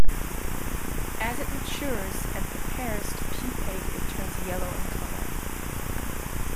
As it matures and prepares to pupate it turns yellow in color.